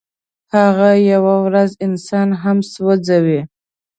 هغه یوه ورځ انسان هم سوځوي.